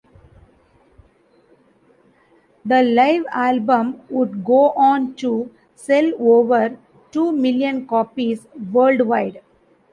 The live album would go on to sell over two million copies worldwide.